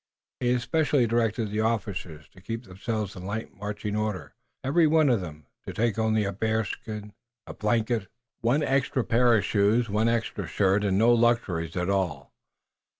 He especially directed the officers to keep themselves in light marching order, every one of them to take only a bearskin, a blanket, one extra pair of shoes, one extra shirt, and no luxuries at all.